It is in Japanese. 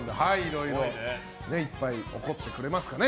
いっぱい怒ってくれますかね。